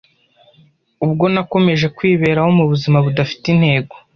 Ubwo nakomeje kwiberaho mu buzima budafite intego